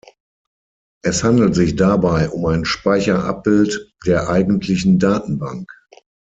Es handelt sich dabei um ein Speicherabbild der eigentlichen Datenbank.